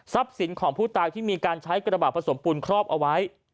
สินของผู้ตายที่มีการใช้กระบาดผสมปูนครอบเอาไว้